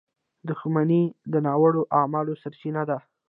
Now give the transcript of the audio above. • دښمني د ناوړه اعمالو سرچینه ده.